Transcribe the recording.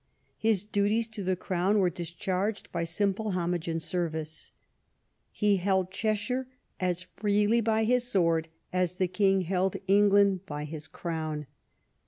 His duties to the Crown were discharged by simple homage and service. He held Cheshire as freely by his sword as the King held England by his crown.